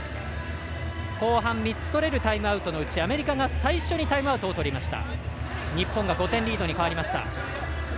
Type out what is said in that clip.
後半３つとれるタイムアウトのうちアメリカが最初にタイムアウトをとりました。